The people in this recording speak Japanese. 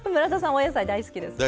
お野菜大好きですもんね。